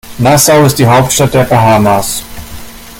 Nassau ist die Hauptstadt der Bahamas.